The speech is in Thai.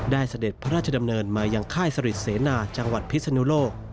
เสด็จพระราชดำเนินมายังค่ายสริทเสนาจังหวัดพิศนุโลก